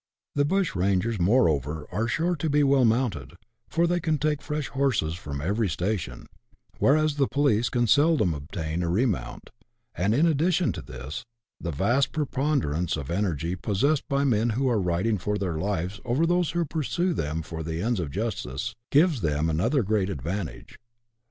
The bushrangers moreover are sure to be well mounted, for they can take fresh horses from every station, whereas the police can seldom obtain a remount ; and, in addition to this, the vast preponderance of energy possessed by men who are riding for their lives over those who pursue them for the ends of justice, gives them another great advantage.